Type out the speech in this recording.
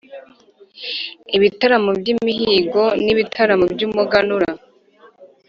ibitaramo by’imihigo n’ibitaramo by’umuganura.